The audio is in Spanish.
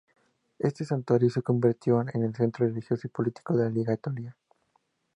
Este santuario se convirtió en el centro religioso y político de la Liga Etolia.